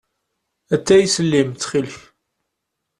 Atay s llim, ttxil-k.